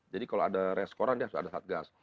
jadi kalau ada reskoran dia harus ada satgas